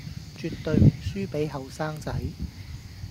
絕對唔輸畀後生仔